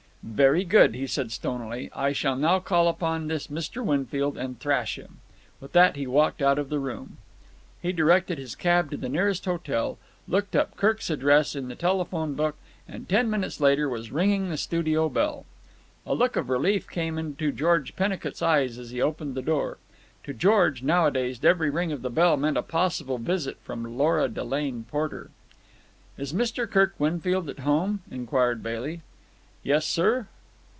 "Very good," he said stonily. "I shall now call upon this Mr. Winfield and thrash him." With that he walked out of the room. He directed his cab to the nearest hotel, looked up Kirk's address in the telephone book, and ten minutes later was ringing the studio bell. A look of relief came into George Pennicut's eyes as he opened the door. To George, nowadays, every ring at the bell meant a possible visit from Lora Delane Porter. "Is Mr. Kirk Winfield at home?" inquired Bailey. "Yes, sir.